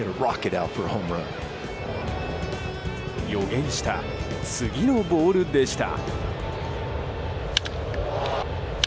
予言した次のボールでした。